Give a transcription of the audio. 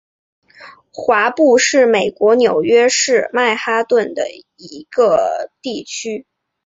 华埠是美国纽约市曼哈顿的一个地区。